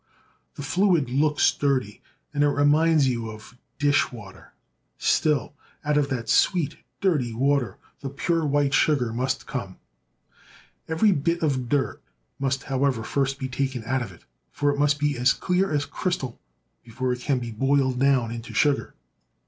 The fluid looks dirty, and it reminds you of dishwater. Still, out of that sweet, dirty water the pure white sugar must come. Every bit of dirt must, however, be first taken out of it, for it must be as clear as crystal before it can be boiled down into sugar.